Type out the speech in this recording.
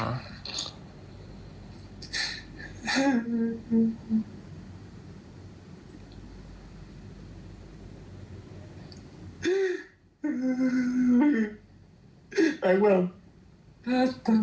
แม็กซ์แบบ